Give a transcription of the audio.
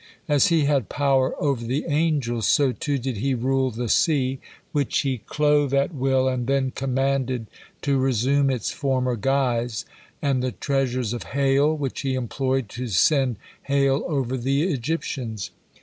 As he had power over the angels, so too did he rule the sea, which he clove at will and then commanded to resume its former guise, and the treasures of hail, which he employed to sent hail over the Egyptians.